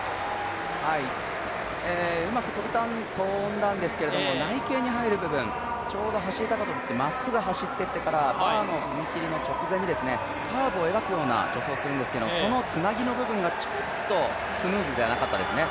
うまく跳んだんですけれども、内傾に入る部分ちょうど走高跳ってまっすぐ走っていってからバーの踏み切りの直前にカーブを描くような助走をするんですけれどもそのつなぎの部分がちょっとスムーズではなかったですね。